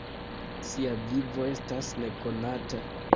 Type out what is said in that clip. Sia vivo estas nekonata.